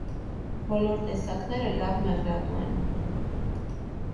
Բոլոր տեսակները լավ մեղրատու են։